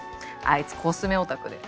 あいつコスメオタクで。